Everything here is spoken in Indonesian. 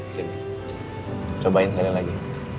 sini cobain sekali lagi